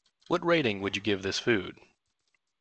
What rating would you give this food?